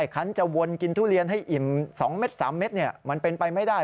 คันจะวนกินทุเรียนให้อิ่ม๒เม็ด๓เม็ดมันเป็นไปไม่ได้